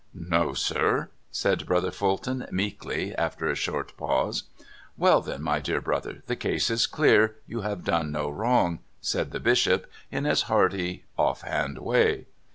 "No, sir," said Brother Fulton meekly, after a short pause. *' Well, then, ni}^ dear brother, the case is clear, you have done no wrong," said the bishop in his hearty, offhand way.